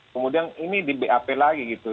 kemudian ini di bap lagi gitu